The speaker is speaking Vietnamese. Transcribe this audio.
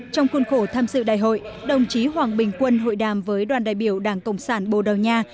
trong khuôn khổ tham dự đại hội đồng chí hoàng bình quân hội đàm với đoàn đại biểu đảng cộng sản bồ đào nha